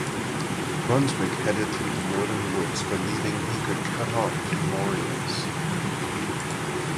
Brunswick headed through the northern woods believing he could cut off Dumouriez.